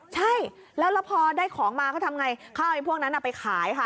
ใช่แล้วพอได้ของมาเขาทำไงข้าวไอ้พวกนั้นไปขายค่ะ